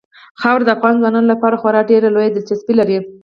خاوره د افغان ځوانانو لپاره خورا ډېره لویه دلچسپي لري.